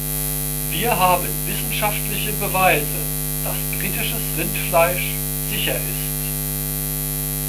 Wir haben wissenschaftliche Beweise, dass britisches Rindfleisch sicher ist.